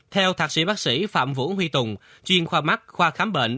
theo thạc sĩ bác sĩ phạm vũ huy tùng chuyên khoa mắt khoa khám bệnh